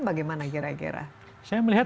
bagaimana gara gara saya melihat